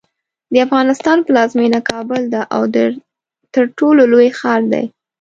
د افغانستان پلازمینه کابل ده او دا ترټولو لوی ښار دی.